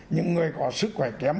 những người có sức khỏe kém